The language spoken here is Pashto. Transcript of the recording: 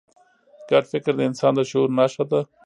ګډ فکر د انسان د شعور نښه ده.